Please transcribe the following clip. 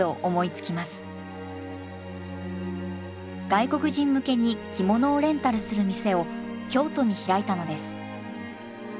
外国人向けに着物をレンタルする店を京都に開いたのです。